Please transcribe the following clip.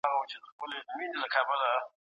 نوی نظام به په ټولنه کي عدالت ټينګ کړي.